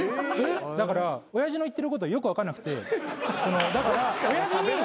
だから親父の言ってることはよく分からなくてだから親父に。